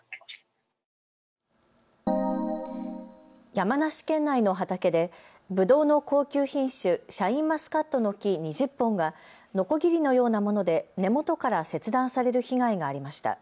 山梨県内の畑でぶどうの高級品種、シャインマスカットの木２０本がのこぎりのようなもので根元から切断される被害がありました。